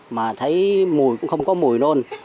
mà thấy mùi cũng không có mùi luôn